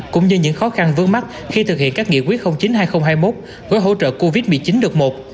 cũng như những khó khăn vướng mắt khi thực hiện các nghị quyết chín hai nghìn hai mươi một với hỗ trợ covid một mươi chín đợt một